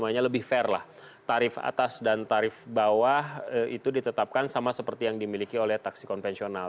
lebih fair lah tarif atas dan tarif bawah itu ditetapkan sama seperti yang dimiliki oleh taksi konvensional